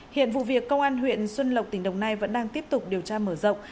hiện vụ việc công an huyện xuân lộc tỉnh đồng nai vẫn đang tiếp tục điều tra mở rộng